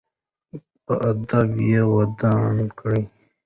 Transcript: په ادب یې ودان کړئ.